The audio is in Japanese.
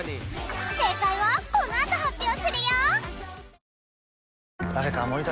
正解はこのあと発表するよ！